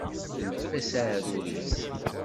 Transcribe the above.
Teltef-as aɛrur-is.